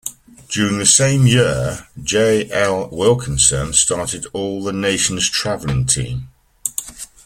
During the same year, J. L. Wilkinson started the All Nations traveling team.